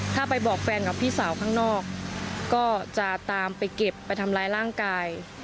ถ้าไปบอกแฟนกับพี่สาวข้างนอกก็จะตามไปเก็บไปทำร้ายร่างกาย